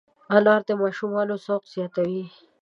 انار د ماشومانو ذوق زیاتوي.